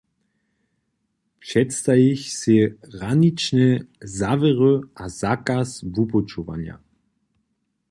Předstajich sej hranične zawěry a zakaz wupućowanja.